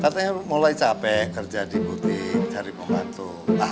katanya mulai capek kerja di butik cari pembantu